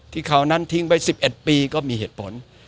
ที่เขานั้นทิ้งไป๑๑ปีก็มีเหตุผล